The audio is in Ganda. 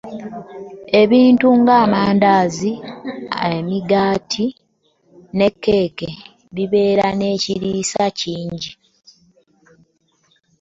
Ebintu ng'amandaazi, emigaati ne kkeeki bibeera n'ekiriisa kingi.